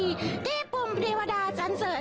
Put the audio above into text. ที่ภูมิอิวดาสรรเสริญ